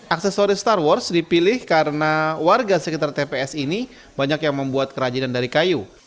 aksesoris star wars dipilih karena warga sekitar tps ini banyak yang membuat kerajinan dari kayu